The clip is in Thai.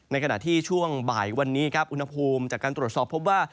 ขณะที่ช่วงบ่ายวันนี้ครับอุณหภูมิจากการตรวจสอบพบว่า